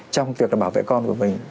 trong việc bảo vệ con của mình